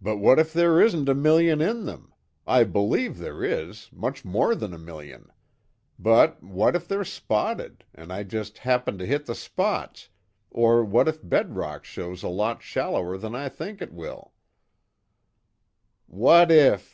"But what if there isn't a million in them. I believe there is much more than a million. But, what if they're 'spotted,' and I just happened to hit the spots, or what if bed rock shows a lot shallower than I think it will " "What if!